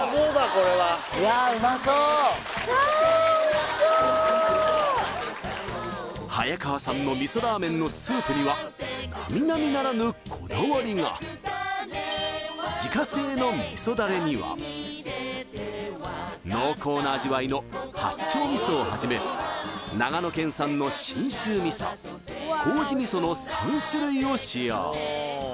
これははや川さんの味噌らーめんのスープには並々ならぬこだわりが自家製の味噌ダレには濃厚な味わいの八丁味噌をはじめ長野県産の信州味噌麹味噌の３種類を使用